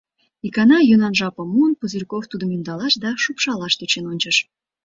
Икана, йӧнан жапым муын, Пузырьков тудым ӧндалаш да шупшалаш тӧчен ончыш.